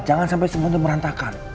jangan sampe semuanya merantakan